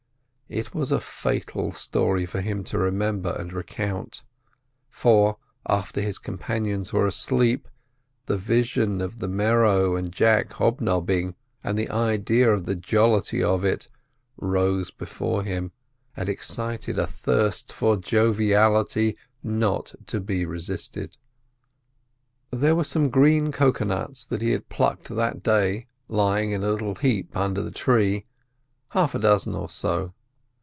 It was a fatal story for him to remember and recount; for, after his companions were asleep, the vision of the Merrow and Jack hobnobbing, and the idea of the jollity of it, rose before him, and excited a thirst for joviality not to be resisted. There were some green cocoa nuts that he had plucked that day lying in a little heap under a tree—half a dozen or so.